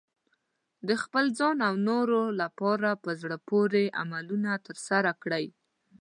د خپل ځان او نورو لپاره په زړه پورې عملونه ترسره کړئ.